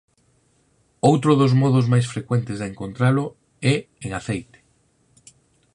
Outro dos modos máis frecuente de encontralo é en aceite.